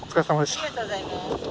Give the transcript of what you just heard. ありがとうございます。